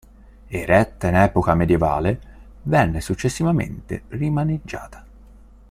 Eretta in epoca medievale, venne successivamente rimaneggiata.